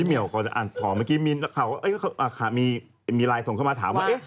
พี่เหมียวก่อนจะอ่านศรเมื่อกี้มีไลน์ส่งเข้ามาถามว่า